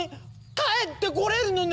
帰ってこれるのね